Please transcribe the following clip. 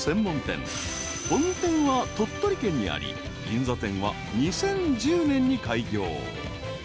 ［本店は鳥取県にあり銀座店は２０１０年に開業］